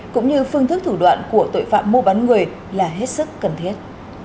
cũng như phương thức thủ đoạn của tội phạm mua bán người là hết sức cần thiết